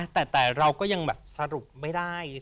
แต่เราก็ยังแบบสรุปไม่ได้